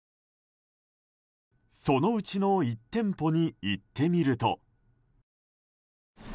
そのうちの１店舗に行ってみると。